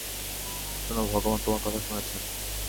শুনো, ভগবান তোমার কথা শুনেছেন।